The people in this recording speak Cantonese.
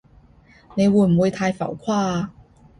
你會唔會太浮誇啊？